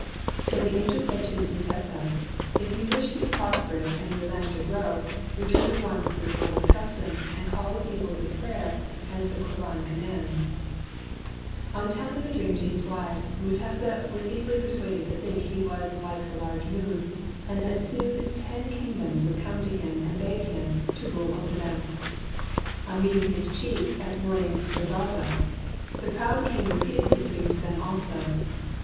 So the angel said to Mutesa: "If you wish to be prosperous and your land to grow, return at once to this old custom and call the people to prayer as the Koran com mands. '' On telling the dream to his wives, Mutesa was easily persuaded to think that he was like the large moon and that soon ten king 138 Come to Pbayebs! Come to Salvatiox! '•' MUTESA AND MOHAMMEDANS doms would come to him and beg him to rule over them. On meeting his chiefs at morning baraza, the proud king repeated his dream to them also.